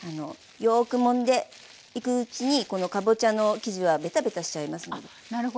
よくもんでいくうちにこのかぼちゃの生地はベタベタしちゃいますので。